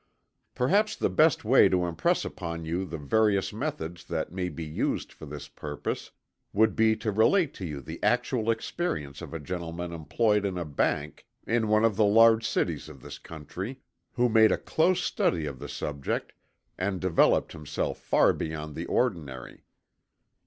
Perhaps the best way to impress upon you the various methods that may be used for this purpose would be to relate to you the actual experience of a gentleman employed in a bank in one of the large cities of this country, who made a close study of the subject and developed himself far beyond the ordinary.